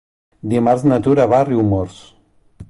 Dimarts na Tura va a Riumors.